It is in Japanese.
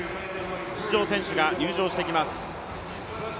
出場選手が入場してきます。